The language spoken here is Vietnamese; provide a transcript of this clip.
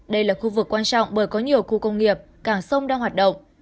đây là khu vực quan trọng bởi có nhiều khu công nghiệp cảng sông đang hoạt động